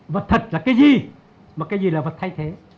vật thật là cái gì mà cái gì là vật thay thế